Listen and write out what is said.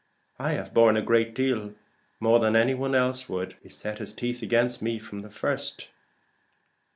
I have borne a great deal more than any one else would. He set his teeth against me from the first."